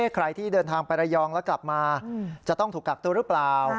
ใครที่เดินทางไประยองแล้วกลับมาจะต้องถูกกักตัวหรือเปล่า